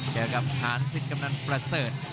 เจอกับฐานสิทธิ์กำนันประเสริฐ